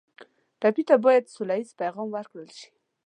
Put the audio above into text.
ټپي ته باید سوله ییز پیغام ورکړل شي.